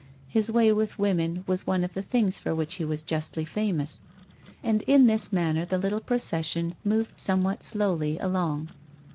His way with women was one of the things for which he was justly famous. And in this manner the little procession moved somewhat slowly along.